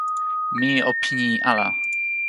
mi o pini ala.